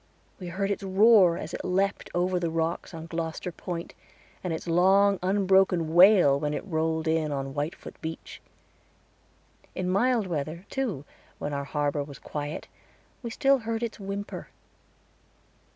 We heard its roar as it leaped over the rocks on Gloster Point, and its long, unbroken wail when it rolled in on Whitefoot Beach. In mild weather, too, when our harbor was quiet, we still heard its whimper.